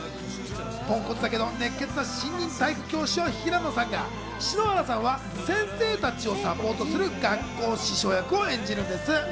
ポンコツだけど熱血な新任体育教師を平野さんが、篠原さんは先生たちをサポートする学校司書役を演じます。